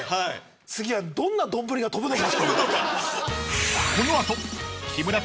次はどんな丼が飛ぶのか。